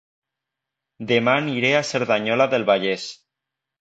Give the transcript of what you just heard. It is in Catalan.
Dema aniré a Cerdanyola del Vallès